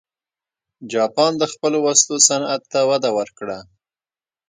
جاپان د خپلو وسلو صنعت ته وده ورکړه.